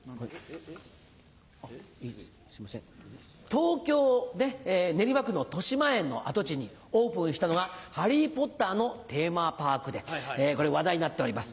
東京・練馬区のとしまえんの跡地にオープンしたのが『ハリー・ポッター』のテーマパークで話題になっております。